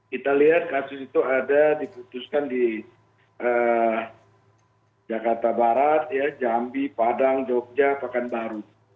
kita lihat kasus itu ada diputuskan di jakarta barat jambi padang jogja pakan baru